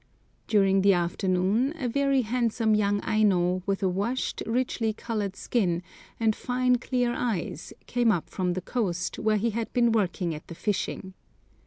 During the afternoon a very handsome young Aino, with a washed, richly coloured skin and fine clear eyes, came up from the coast, where he had been working at the fishing.